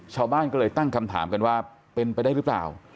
ชาวบ้านก็เลยตั้งคำถามกันว่าเป็นไปได้หรือเปล่า